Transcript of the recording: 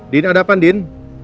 din ada apa din